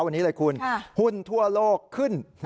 วันนี้เลยคุณหุ้นทั่วโลกขึ้น